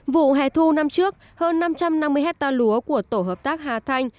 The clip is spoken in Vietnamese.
vụ hải thu năm trước hơn năm trăm năm mươi ha lúa của tổ hợp tác hà thanh